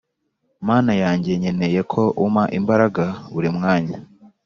Mana yanjye nkeneye ko umpa imbaraga buri mwanya